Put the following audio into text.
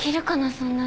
そんなに。